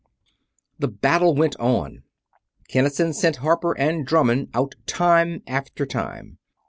The battle went on. Kinnison sent Harper and Drummond out time after time.